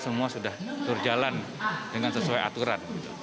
semua sudah berjalan dengan sesuai aturan